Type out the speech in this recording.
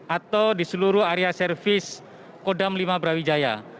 atau di seluruh area servis kodam lima brawijaya